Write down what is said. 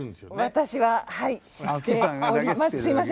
私ははい知っております。